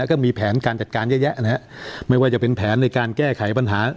แล้วก็มีแผนการจัดการเยอะแยะนะฮะไม่ว่าจะเป็นแผนในการแก้ไขปัญหา